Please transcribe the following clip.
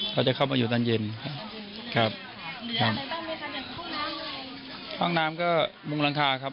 เขาจะเข้ามาอยู่ด้านเย็นครับครับห้องน้ำก็มุ้งหลังคาครับ